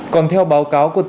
còn theo báo cáo của tổng công ty